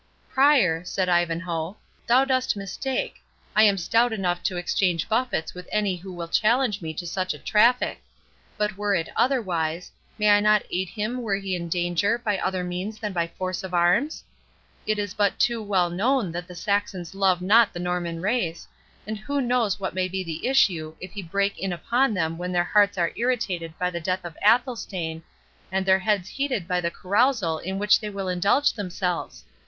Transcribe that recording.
"Prior," said Ivanhoe, "thou dost mistake—I am stout enough to exchange buffets with any who will challenge me to such a traffic—But were it otherwise, may I not aid him were he in danger, by other means than by force of arms? It is but too well known that the Saxons love not the Norman race, and who knows what may be the issue, if he break in upon them when their hearts are irritated by the death of Athelstane, and their heads heated by the carousal in which they will indulge themselves?